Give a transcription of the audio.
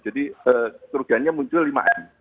jadi kerugiannya muncul lima hari